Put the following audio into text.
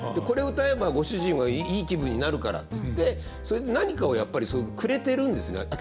これを歌えばご主人はいい気分になるからっていってそれで何かをやっぱりくれてるんですね